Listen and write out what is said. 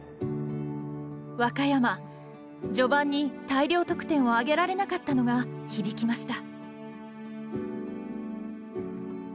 和歌山序盤に大量得点を挙げられなかったのが響きました。